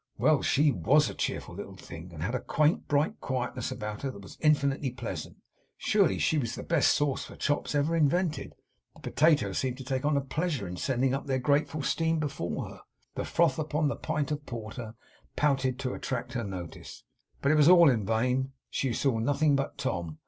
Well! she WAS a cheerful little thing; and had a quaint, bright quietness about her that was infinitely pleasant. Surely she was the best sauce for chops ever invented. The potatoes seemed to take a pleasure in sending up their grateful steam before her; the froth upon the pint of porter pouted to attract her notice. But it was all in vain. She saw nothing but Tom.